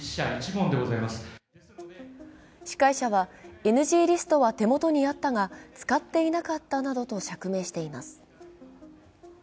司会者はＮＧリストは手元にあったが使っていなかったなどと釈明しています。